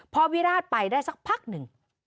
พอวิราชไปได้สักพักหนึ่ง